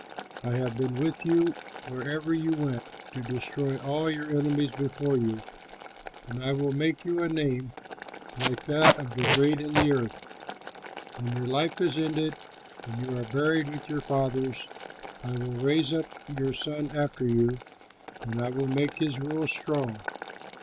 I have been with you wherever you went, to destroy all your enemies before you, and I will make you a name, like that of the great in the earth. When your life is ended and you are buried with your fathers, I will raise up your son after you, and I will make his rule strong.